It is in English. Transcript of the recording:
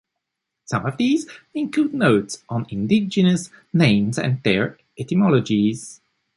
Some of these include notes on indigenous names and their etymologies.